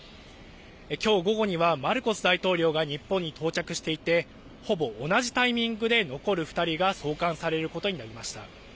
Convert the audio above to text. きょう午後にはマルコス大統領が日本に到着していてほぼ同じタイミングで残る２人が送還されることになりました。